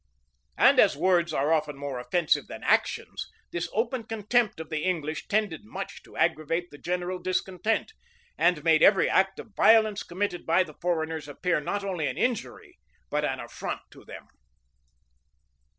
And as words are often more offensive than actions, this open contempt of the English tended much to aggravate the general discontent, and made every act of violence committed by the foreigners appear not only an injury, but an affront to them.